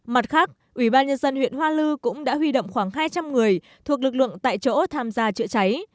mặt khác ủy ban nhân dân huyện hoa lư cũng đã huy động khoảng hai trăm linh người thuộc lực lượng tại chỗ tham gia chữa cháy